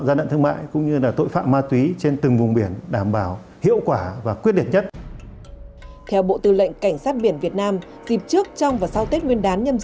việc làm này không chỉ gây thất thu thuế cho nhà nước